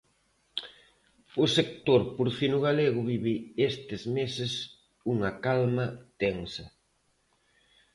O sector porcino galego vive estes meses unha calma tensa.